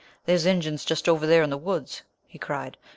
"There's Injuns just over there in the woods," he cried.